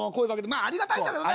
まあありがたいんだけどね。